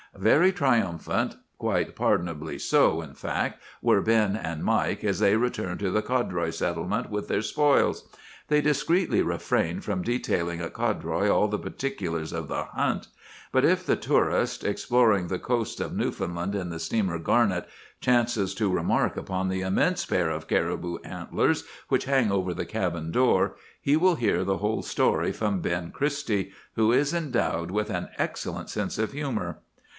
"Very triumphant, quite pardonably so, in fact, were Ben and Mike as they returned to the Codroy settlement with their spoils. They discreetly refrained from detailing at Codroy all the particulars of the hunt. But if the tourist, exploring the coasts of Newfoundland in the steamer Garnet, chances to remark upon the immense pair of caribou antlers which hang over the cabin door, he will hear the whole story from Ben Christie, who is endowed with an excellent sense of humor."